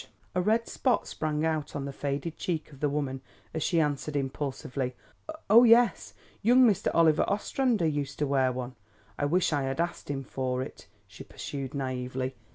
A red spot sprang out on the faded cheek of the woman as she answered impulsively: "Oh, yes. Young Mr. Oliver Ostrander used to wear one. I wish I had asked him for it," she pursued, naively.